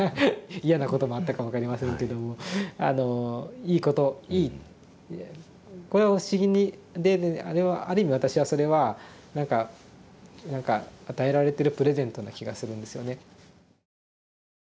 嫌なこともあったか分かりませんけどもあのいいこといいこれは不思議である意味私はそれは何か何か与えられてるプレゼントな気がするんですよね。